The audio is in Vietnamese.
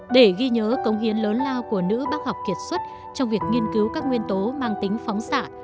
để ghi nhớ công hiến lớn lao của nữ bác học kiệt xuất trong việc nghiên cứu các nguyên tố mang tính phóng xạ